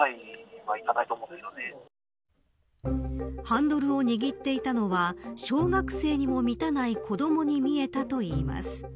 ハンドルを握っていたのは小学生にも満たない子どもに見えたといいます。